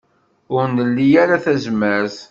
Ur nli ara tazmert.